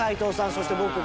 そして僕がね